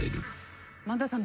萬田さん。